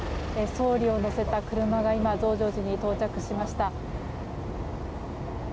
総理を乗せた車が今、増上寺に到着しました。